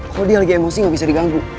kalau dia lagi emosi gak bisa diganggu